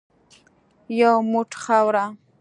یو موټ خاوره .